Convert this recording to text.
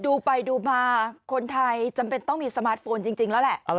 ดูไปดูมาคนไทยจำเป็นต้องมีสมาร์ทโฟนจริงแล้วแหละ